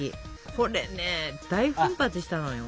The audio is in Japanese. これね大奮発したのよ。